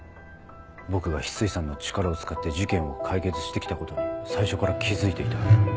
僕が翡翠さんの力を使って事件を解決して来たことに最初から気付いていた。